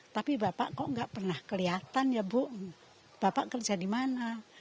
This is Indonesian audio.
tapi bapak kok nggak pernah kelihatan ya bu bapak kerja di mana